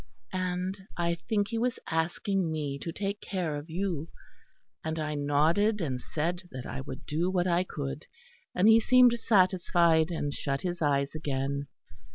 And I think he was asking me to take care of you. And I nodded and said that I would do what I could, and he seemed satisfied and shut his eyes again.